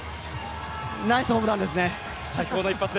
ナイスホームランですね。